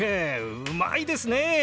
うまいですね。